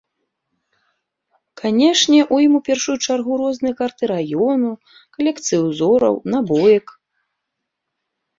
Канешне, у ім у першую чаргу розныя карты раёну, калекцыі ўзораў, набоек.